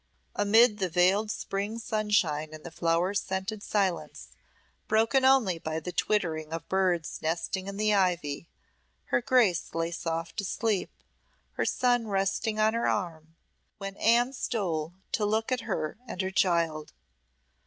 Amid the veiled spring sunshine and the flower scented silence, broken only by the twittering of birds nesting in the ivy, her Grace lay soft asleep, her son resting on her arm, when Anne stole to look at her and her child.